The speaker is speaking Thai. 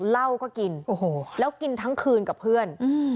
เหล้าก็กินโอ้โหแล้วกินทั้งคืนกับเพื่อน